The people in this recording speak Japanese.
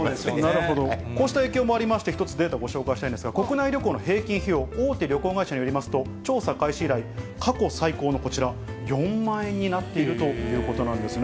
なるほど、こうした影響もありまして、１つデータご紹介したいんですが、国内旅行の平均費用、大手旅行会社によりますと、調査開始以来過去最高のこちら、４万円になっているということなんですね。